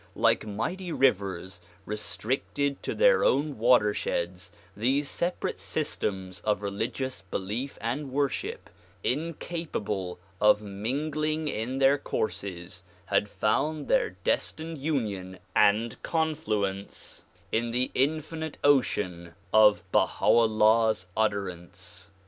Like mighty rivers re stricted to their own watersheds these separate systems of religious belief and worship, incapable of mingling in their courses, had found their destined union and confluence in the infinite ocean of iv INTRODUCTION Baha 'Ullah 's utterance.